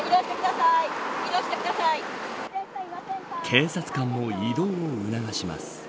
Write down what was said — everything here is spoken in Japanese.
警察官も移動を促します。